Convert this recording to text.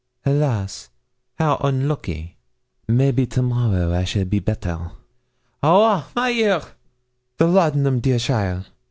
'Hélas! 'ow onlucky! maybe to morrow I shall be better Ouah! my ear. The laudanum, dear cheaile!'